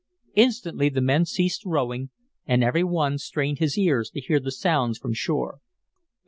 Instantly the men ceased rowing, and every one strained his ears to hear the sounds from shore.